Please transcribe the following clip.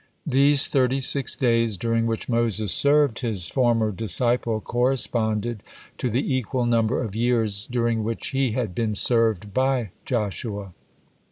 These thirty six days during which Moses served his former disciple corresponded to the equal number of years during which he had been served by Joshua.